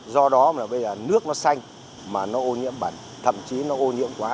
do đó bây giờ nước nó xanh nó ô nhiễm bẩn thậm chí nó ô nhiễm quá